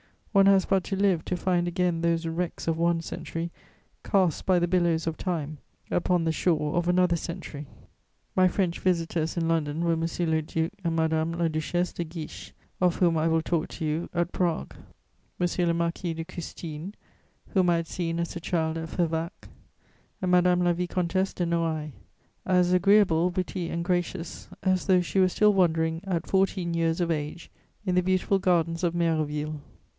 One has but to live to find again those wrecks of one century cast by the billows of time upon the shore of another century. My French visitors in London were M. le Duc and Madame la Duchesse de Guiche, of whom I will talk to you at Prague; M. le Marquis de Custine, whom I had seen as a child at Fervacques; and Madame la Vicomtesse de Noailles, as agreeable, witty and gracious as though she were still wandering, at fourteen years of age, in the beautiful gardens of Méréville.